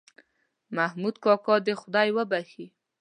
محمود کاکا دې خدای وبښې.